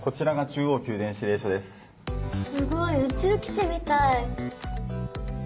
すごい宇宙基地みたい。